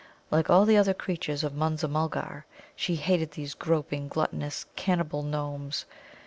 Like all the other creatures of Munza mulgar, she hated these groping, gluttonous, cannibal gnomes.